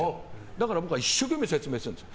だから僕は一生懸命説明するんです。